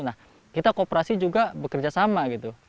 nah kita kooperasi juga bekerja sama gitu